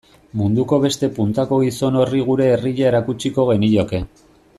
Munduko beste puntako gizon horri gure herria erakutsiko genioke.